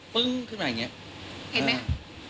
เพิ้งขึ้นมาอย่างนี้